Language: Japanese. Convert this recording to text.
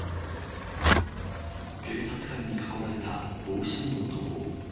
警察官に囲まれた帽子の男。